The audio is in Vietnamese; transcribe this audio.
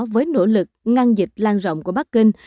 với nỗ lực ngăn dịch lan rộng của bắc kinh